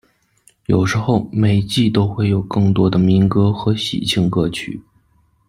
有时候，每季都会有更多的民歌和喜庆歌曲。